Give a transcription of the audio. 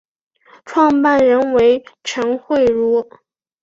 创办人为陈惠如。